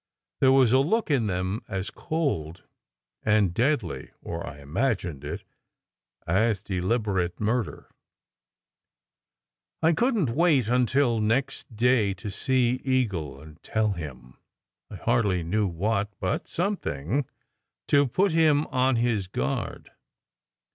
There was a look in them as cold and deadly or I imagined it as deliberate murder. I couldn t wait until next day to see Eagle and tell him I hardly knew what, but something, to put him on his guard.